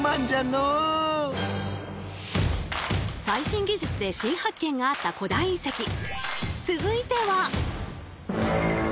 最新技術で新発見があった古代遺跡